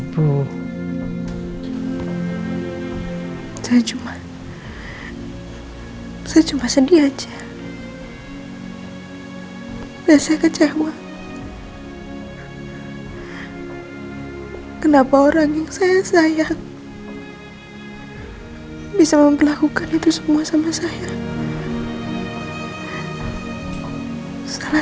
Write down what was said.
bisa memperlakukan itu semua sama saya